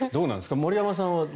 森山さんは。